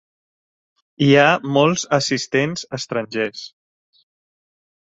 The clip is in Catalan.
Hi ha molts assistents estrangers.